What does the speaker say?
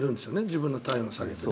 自分の体温を下げてね。